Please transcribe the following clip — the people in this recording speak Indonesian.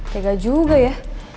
tega juga ya